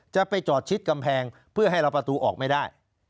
จะไปจอดชิดกำแพงเพื่อให้เราประตูออกไม่ได้